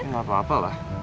gak apa apa lah